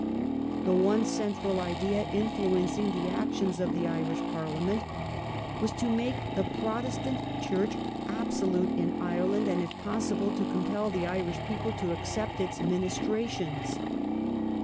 The one central idea influencing the actions of the Irish Parliament was to make the Protestant Church absolute in Ireland, and if possible to compel the Irish people to accept its ministrations.